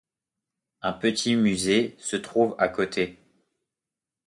Un petit musée se trouve à côté.